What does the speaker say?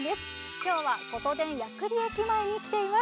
今日は琴電八栗駅前に来ています。